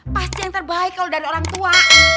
pasti yang terbaik kalau dari orang tua